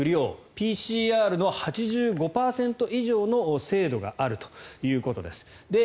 ＰＣＲの８５％以上の精度があるということです。